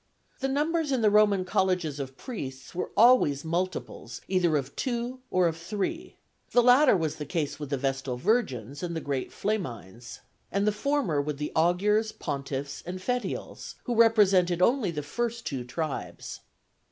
The numbers in the Roman colleges of priests were always multiples either of two or of three; the latter was the case with the Vestal Virgins and the great Flamines, and the former with the Augurs, Pontiffs, and Fetiales, who represented only the first two tribes.